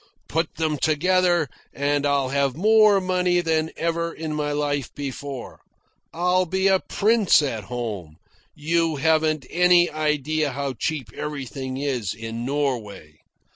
Put them together, and I'll have more money than ever in my life before. I'll be a prince at home. You haven't any idea how cheap everything is in Norway.